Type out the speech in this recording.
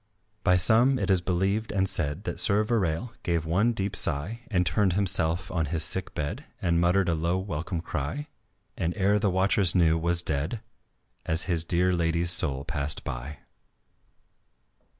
By some, it is believed and said, That Sir Verale gave one deep sigh And turned himself on his sick bed And muttered a low welcome cry, And ere the watchers knew, was dead, As his dear lady's soul passed by.